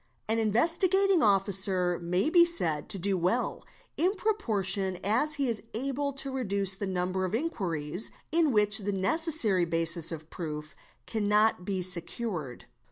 An Investigating Officer may be said to do well in proportion as he is able — to reduce the number of inquiries in which the necessary basis of proof ~ cannot be secured.